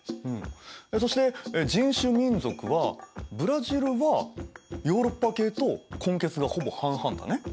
そして人種・民族はブラジルはヨーロッパ系と混血がほぼ半々だね。